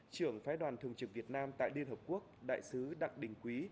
trưởng phái đoàn thường trực việt nam tại liên hợp quốc đại sứ đặng đình quý